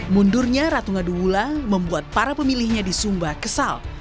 mundurnya ratu ngadu wula membuat para pemilihnya di sumba kesal